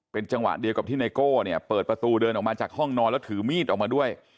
เป็นจังหวะเดียวกับที่ไนโก้เนี่ยเปิดประตูเดินออกมาจากห้องนอนแล้วถือมีดออกมาด้วย